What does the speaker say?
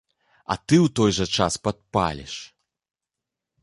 А ты ў той жа час падпаліш.